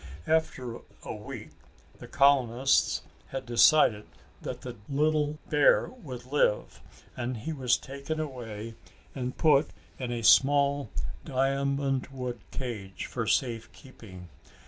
After a week, the colonists had decided that the little bear would live and he was taken away and put in a small diamond wood cage for safe keeping.